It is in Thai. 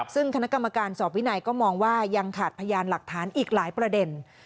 ซึ่งคณะกรรมการสอบวินัยก็มองว่ายังขาดพยานหลักฐานอีกหลายประเด็น